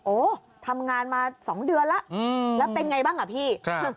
โอ้ทำงานมา๒เดือนแล้วแล้วเป็นไงบ้างอ่ะพี่